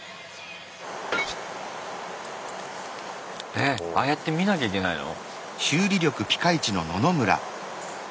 えっ！ああやって見なきゃいけないの？